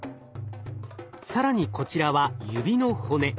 更にこちらは指の骨。